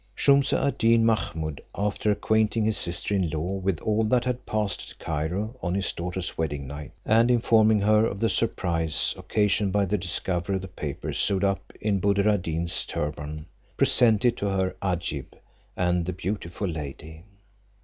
Shumse ad Deen Mahummud, after acquainting his sister in law with all that had passed at Cairo on his daughter's wedding night, and informing her of the surprise occasioned by the discovery of the paper sewed up in Buddir ad Deen's turban, presented to her Agib and the beautiful lady.